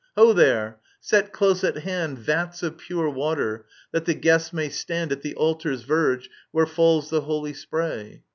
Ho, there ; set close at hand Vats of pure water, that the guests may stand At the altar's verge, where falls the holy spray.